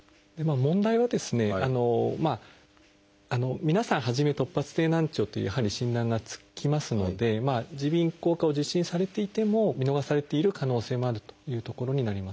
問題は皆さん初め突発性難聴というやはり診断がつきますので耳鼻咽喉科を受診されていても見逃されている可能性もあるというところになりますね。